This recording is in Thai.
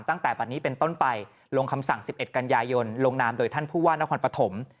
ตั้งแต่บัตรนี้เป็นต้นไปลงคำสั่ง๑๑กันยายนลงนามโดยท่านผู้ว่านครปฐม